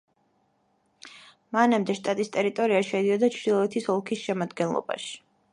მანამდე შტატის ტერიტორია შედიოდა ჩრდილოეთის ოლქის შემადგენლობაში.